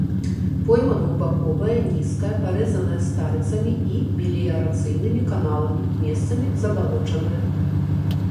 Пойма двухбаковая, нізкая, парэзаная старыцамі і меліярацыйнымі каналамі, месцамі забалочаная.